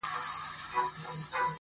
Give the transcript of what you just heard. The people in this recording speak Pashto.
په خوښۍ مستي یې ورځي تېرولې!.